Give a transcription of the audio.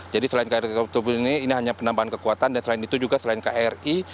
jadi selain kri sasu itubu ini ini hanya penambahan kekuatan dan selain itu juga selain kri